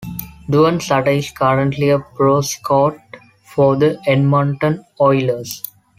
Duane Sutter is currently a pro scout for the Edmonton Oilers.